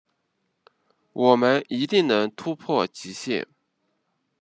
我们一定能突破极限